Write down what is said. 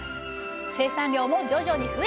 生産量も徐々に増え